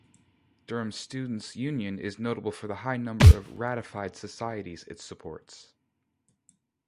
Durham Students' Union is notable for the high number of ratified societies it supports.